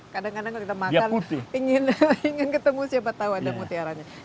kadang kadang kalau kita makan ingin ketemu siapa tahu ada mutiaranya